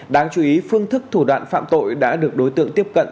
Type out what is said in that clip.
đáng chú ý phương thức thủ đoạn phạm tội đã được đối tượng tiếp cận